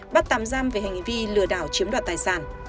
bắt tạm giam về hành vi lừa đảo chiếm đoạt tài sản